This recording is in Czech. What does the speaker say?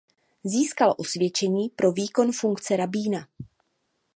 Získal osvědčení pro výkon funkce rabína.